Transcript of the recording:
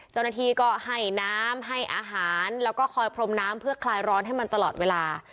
เจ้าหน้าที่ก็ให้น้ำให้อาหารแล้วก็คอยพรมน้ำเพื่อคลายร้อนให้มันตลอดเวลา